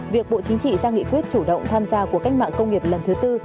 việc bộ chính trị ra nghị quyết chủ động tham gia cuộc cách mạng công nghiệp lần thứ tư